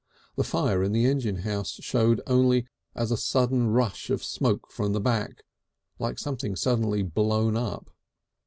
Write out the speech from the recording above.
The fire in the engine house showed only as a sudden rush of smoke from the back, like something suddenly blown up.